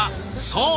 そう！